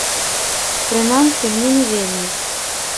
Прынамсі, мне не вельмі.